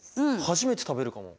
初めて食べるかも。